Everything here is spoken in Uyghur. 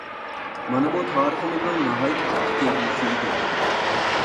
مانا بۇ تارىخىمىزنىڭ ناھايىتى قىسقا كۆرۈنۈشى ئىدى.